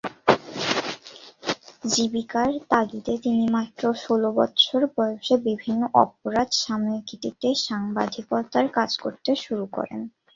জীবিকার তাগিদে তিনি মাত্র ষোল বৎসর বয়সে বিভিন্ন অপরাধ সাময়িকীতে সাংবাদিকতার কাজ করতে শুরু করেন।